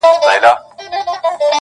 زلفي راټال سي گراني ~